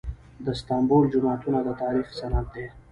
د استانبول جوماتونه د تاریخ سند دي.